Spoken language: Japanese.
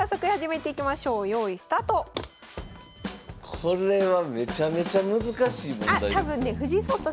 これはめちゃめちゃ難しい問題ですよ。